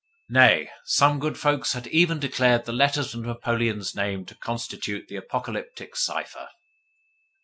Nay, some good folk had even declared the letters of Napoleon's name to constitute the Apocalyptic cipher!